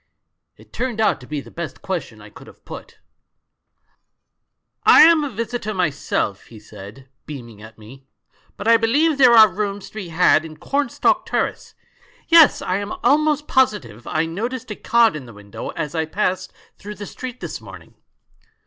"It turned out to be the best question I could have put. "I am a visitor myself," he said, beaming at me, "but I believe there are rooms to be had in Cornstalk Terrace. Yes, I am alaiost positive I noticed a card in a window as I passed through the street this morning."